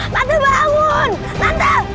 tante bangun tante